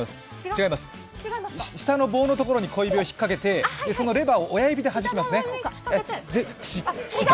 違います、下の棒のところに小指を引っ掛けてそのレバーを親指で弾きますね。